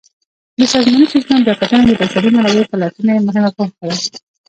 د سازماني سیسټم بیاکتنه د بشري منابعو پلټنې مهمه موخه ده.